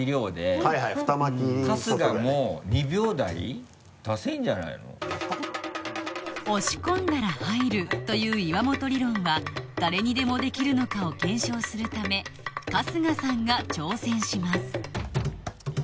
春日も２秒台出せるんじゃないの押し込んだら入るという岩本理論は誰にでもできるのかを検証するため春日さんが挑戦します